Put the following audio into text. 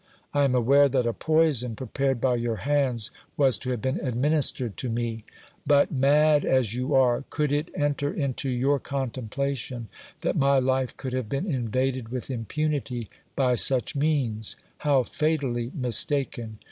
I am aware that a poison, prepared by your hands, was to have been administered to me ; but, mad as you are, could it enter into your contemplation that my life could have been invaded with impunity by such means? How fatally mistaken!